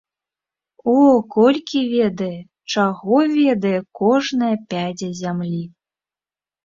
О, колькі ведае, чаго ведае кожная пядзя зямлі!